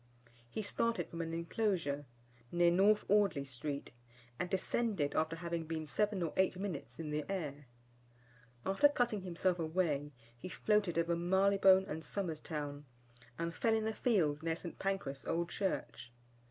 He started from an enclosure near North Audley Street, and descended after having been seven or eight minutes in the air. After cutting himself away, he floated over Marylebone and Somers Town, and fell in a field near St. Pancras Old Church.